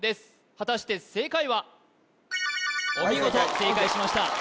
果たして正解はお見事正解しました